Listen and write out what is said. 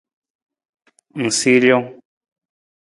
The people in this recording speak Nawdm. Ng sii rijang.